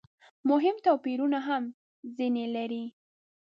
مهم توپیرونه هم ځنې لري.